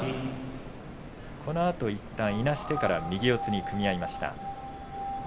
いったんいなしてから右四つに組み合いました。